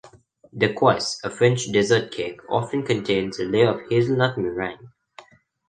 "Dacquoise", a French dessert cake, often contains a layer of hazelnut meringue.